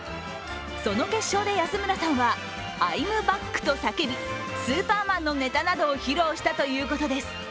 その決勝で安村さんはアイム・バックと叫びスーパーマンのネタなどを披露したということです。